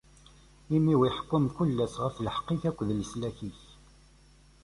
Imi-w iḥekku mkul ass ɣef lḥeqq-ik akked leslak-ik.